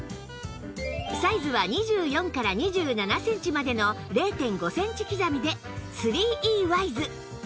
サイズは２４から２７センチまでの ０．５ センチ刻みで ３Ｅ ワイズ